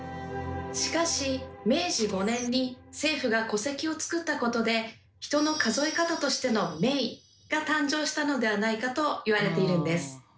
しかし明治５年に政府が戸籍を作ったことで人の数え方としての「名」が誕生したのではないかと言われているんです。